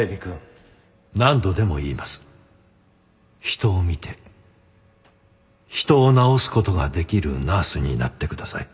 人を見て人を治す事ができるナースになってください。